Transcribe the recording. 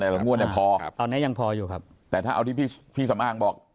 ตอนนี้ยังพออยู่ครับแต่ถ้าเอาที่พี่สำอางบอก